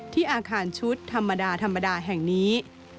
ที่อาคารชุดธรรมดาแห่งนี้